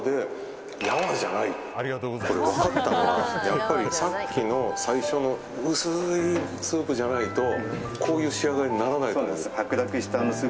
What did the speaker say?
やっぱりさっきの最初の薄いスープじゃないとこういう仕上がりにならないと思うんです。